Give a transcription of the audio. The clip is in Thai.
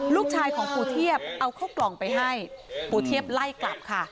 ลูกชายของปู่เทียบเอาเข้ากล่องไปให้ปู่เทียบไล่กลับค่ะ